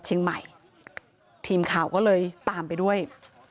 ชาวบ้านในพื้นที่บอกว่าปกติผู้ตายเขาก็อยู่กับสามีแล้วก็ลูกสองคนนะฮะ